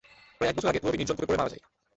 প্রায় এক বছর আগে পুরবী নির্জন কূপে পড়ে মারা যায়।